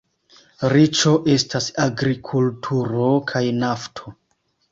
Riĉo estas agrikulturo kaj nafto.